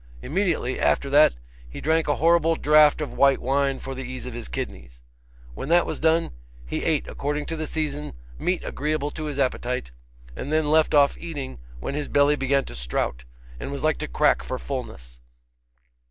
Immediately after that, he drank a horrible draught of white wine for the ease of his kidneys. When that was done, he ate according to the season meat agreeable to his appetite, and then left off eating when his belly began to strout, and was like to crack for fulness.